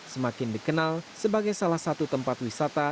semakin dikenal sebagai salah satu tempat wisata